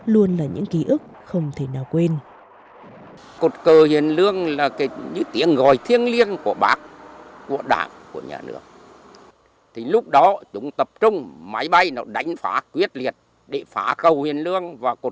luôn là những ký ức không thể nào quên